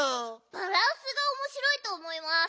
バランスがおもしろいとおもいます。